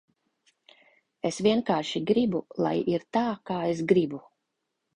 Es vienkārši gribu, lai ir tā, kā es gribu.